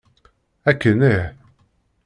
Akken ih!